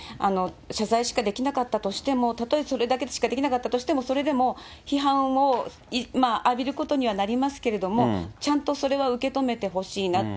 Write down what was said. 謝罪しかできなかったとしても、たとえそれだけしかできなかったとしても、それでも批判を浴びることにはなりますけれども、ちゃんとそれは受け止めてほしいなって。